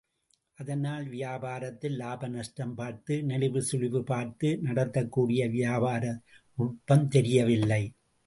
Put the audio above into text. அதனால் வியாபாரத்தில் லாப நஷ்டம் பார்த்து நெளிவு சுளிவு பார்த்து நடத்தக்கூடிய வியாபார நுட்பம் தெரியவில்லை.